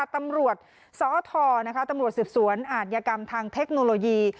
ตำรวจสอทตำรวจสืบสวนอาจยกรรมทางเทคโนโลยี